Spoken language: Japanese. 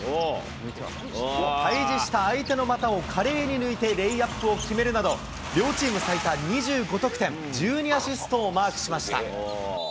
対じした相手の股を華麗に抜いてレイアップを決めるなど、両チーム最多２５得点、１２アシストをマークしました。